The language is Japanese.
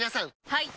はい！